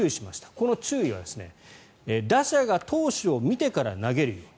この注意は打者が投手を見てから投げるように。